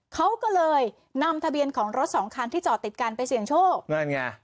เขาก็เลยนำทะเบียนของรถสองคันที่จอดติดกันไปเสี่ยงโชคนั่นไง